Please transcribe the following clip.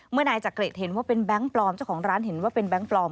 นายจักริตเห็นว่าเป็นแบงค์ปลอมเจ้าของร้านเห็นว่าเป็นแก๊งปลอม